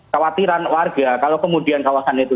khawatiran warga kalau kemudian kawasan itu